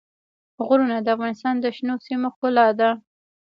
غرونه د افغانستان د شنو سیمو ښکلا ده.